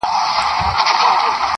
په سندرو په غزل په ترانو کي-